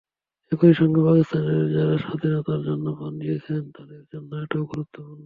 একই সঙ্গে পাকিস্তানেও যাঁরা স্বাধীনতার জন্য প্রাণ দিয়েছেন, তাঁদের জন্যও এটা গুরুত্বপূর্ণ।